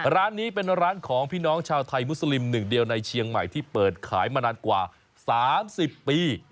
ร้านนี้เป็นร้านของพี่น้องชาวไทยมุสลิมหนึ่งเดียวในเชียงใหม่ที่เปิดขายมานานกว่า๓๐ปี